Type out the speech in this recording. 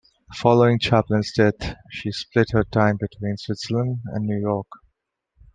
Following Chaplin's death, she split her time between Switzerland and New York.